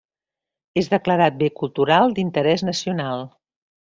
És declarat bé cultural d'interès nacional.